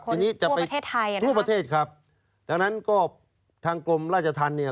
คนทั่วประเทศไทยทั่วประเทศครับดังนั้นก็ทางกรมราชธรรมเนี่ย